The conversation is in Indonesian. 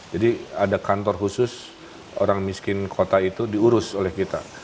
jadi ada kantor khusus orang miskin kota itu diurus oleh kita